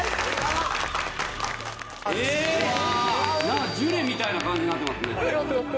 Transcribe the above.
なんかジュレみたいな感じになってますね。